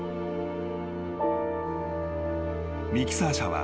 ［ミキサー車は］